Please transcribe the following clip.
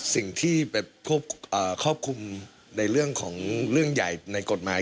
สิ่งที่ไปควบคุมในเรื่องของเรื่องใหญ่ในกฎหมาย